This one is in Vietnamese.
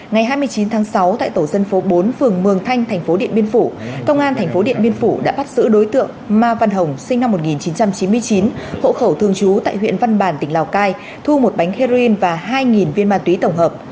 ngày hai mươi chín tháng sáu tại tổ dân phố bốn phường mường thanh thành phố điện biên phủ công an thành phố điện biên phủ đã bắt giữ đối tượng ma văn hồng sinh năm một nghìn chín trăm chín mươi chín hộ khẩu thương chú tại huyện văn bản tỉnh lào cai thu một bánh heroin và hai viên ma túy tổng hợp